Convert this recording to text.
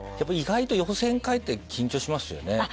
意外と予選会って緊張しますよね。